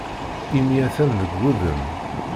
Imi atan deg wudem.